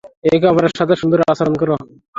একে অপরের সাথে সুন্দর আচরণ করো!